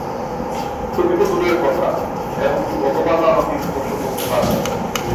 তুমি তো দূরের কথা, এমনকি ভগবানও আমাকে স্পর্শ করতে পারবেন না।